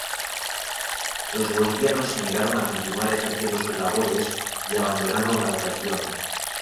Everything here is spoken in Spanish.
Los bolivianos se negaron a continuar ejerciendo sus labores y abandonaron la región.